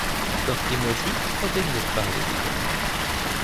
Doch die Musik verbindet beide wieder.